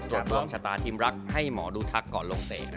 ตรวจดวงชะตาทีมรักให้หมอดูทักก่อนลงเตะนะครับ